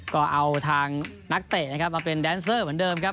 ก็เอานักเตะมาเป็นแดนเซอร์เหมือนเดิมครับ